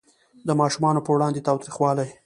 د ماشومانو په وړاندې تاوتریخوالی